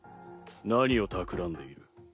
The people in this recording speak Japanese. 何をたくらんでいる？